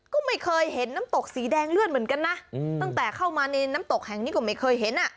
ก็ไม่เคยเห็นน้ำตกสีแดงเลื่อนเหมือนกันนะตั้งแต่เข้ามาในน้ำตกแห่งนี้ก็ไม่เคยเห็นอ่ะ